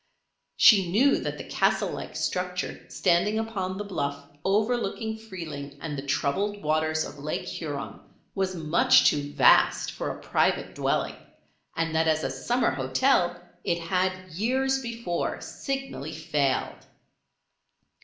She knew that the castle like structure standing upon the bluff overlooking Freeling and the troubled waters of Lake Huron, was much too vast for a private dwelling, and that as a summer hotel it had years before signally failed.